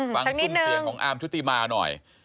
ฟังเสียงของอาร์มชุติมาหน่อย